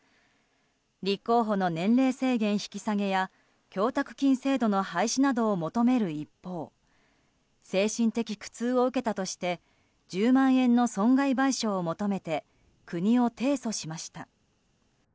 立候補の年齢制限引き下げや供託金制度の廃止などを求める一方精神的苦痛を受けたとして１０万円の損害賠償を求めて国を提訴しました。